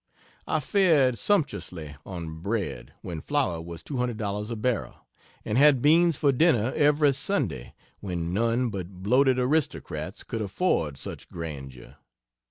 I fared sumptuously on bread when flour was $200 a barrel and had beans for dinner every Sunday, when none but bloated aristocrats could afford such grandeur.